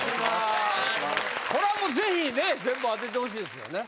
これはもうぜひね全部当ててほしいですよね